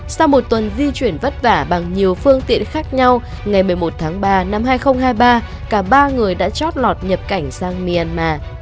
sau một tuần di chuyển vất vả bằng nhiều phương tiện khác nhau ngày một mươi một tháng ba năm hai nghìn hai mươi ba cả ba người đã chót lọt nhập cảnh sang myanmar